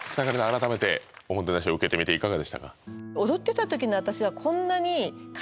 改めておもてなしを受けてみていかがでしたか？